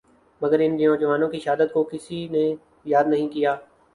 مگر ان جوانوں کی شہادت کو کسی نے یاد نہیں کیا